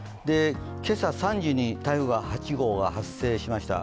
今朝３時に台風８号が発生しました。